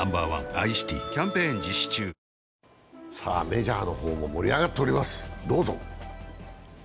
メジャーの方も盛り上がっております、どうぞ。